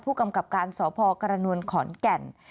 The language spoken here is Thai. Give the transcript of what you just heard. ผู้กำกับการสพกรณวลขอนแก่น